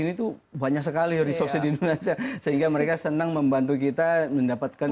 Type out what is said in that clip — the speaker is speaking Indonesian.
ini tuh banyak sekali resource di indonesia sehingga mereka senang membantu kita mendapatkan